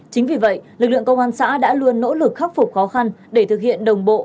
chính vì vậy lực lượng công an xã đã luôn nỗ lực khắc phục khó khăn để thực hiện đồng bộ